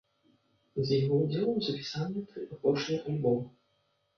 З яго ўдзелам запісаныя тры апошнія альбома.